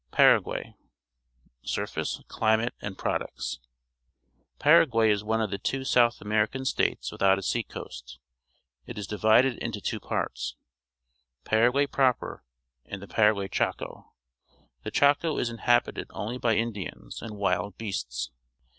PARAGUAY Surface, Climate, and Products.— Para guay is one of the two South American states without a sea coast. It is divided into two parts— Paraguay proper and the Paraguay Chaco. The Chaco is inhabited only by Indians and wild beasts.